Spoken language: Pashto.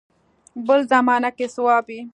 بل زمانه کې صواب وي.